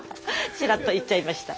ちらっと言っちゃいました。